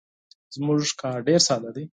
زموږ کار ډیر ساده دی.